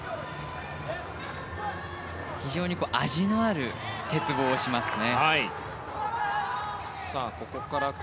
非常に味のある鉄棒をしますね。